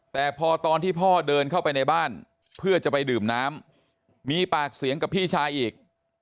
แต่พอตอนที่พ่อเดินเข้าไปในบ้านเพื่อจะไปดื่มน้ำมีปากเสียงกับพี่ชายอีก